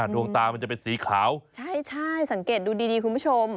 ดวงตามันจะเป็นสีขาวใช่สังเกตดูดีคุณผู้ชม